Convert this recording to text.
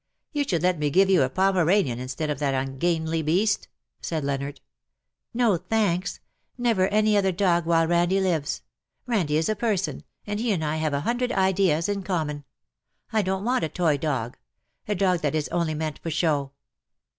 " You should let me give you a Pomeranian instead of that ungainly beast/'' said Leonard. " No, thanks. Never any other dog while Randie lives. Randie is a person, and he and I have a hundred ideas in common. I don't want a toy dog — a dog that is only meant for show.'"'